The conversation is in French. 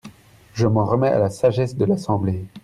Je m’en remets à la sagesse de l’Assemblée.